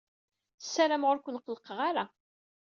Ssarameɣ ur ken-qellqeɣ ara.